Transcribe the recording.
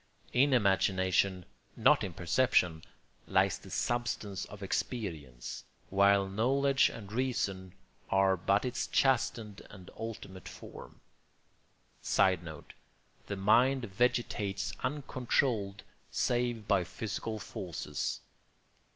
In imagination, not in perception, lies the substance of experience, while knowledge and reason are but its chastened and ultimate form. [Sidenote: The mind vegetates uncontrolled save by physical forces.